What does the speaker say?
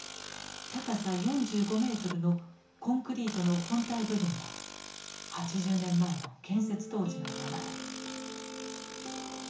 高さ４５メートルのコンクリートの本体部分は８０年前の建設当時のままだ。